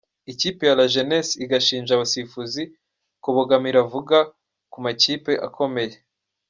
Ikipe ya La Jeunesse igashinja abasifuzi kubogamira vuga ku makipe akomeye.